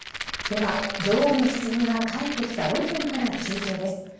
では女王のひつぎが帰ってきたロンドンから中継です。